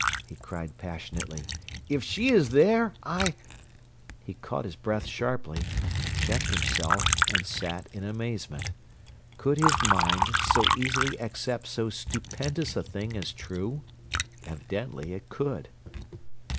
he cried passionately. "If she is there I—" He caught his breath sharply, checked himself, and sat in amazement. Could his mind so easily accept so stupendous a thing as true? Evidently it could!